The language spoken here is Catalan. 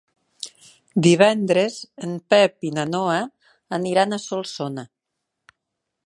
Divendres en Pep i na Noa aniran a Solsona.